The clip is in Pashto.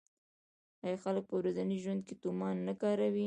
آیا خلک په ورځني ژوند کې تومان نه کاروي؟